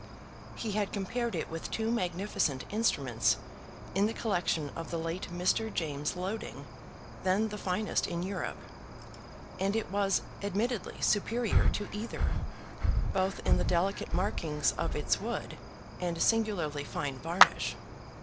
He had compared it with two magnificent instruments in the collection of the late Mr. James Loding, then the finest in Europe; and it was admittedly superior to either, both in the delicate markings of its wood and singularly fine varnish.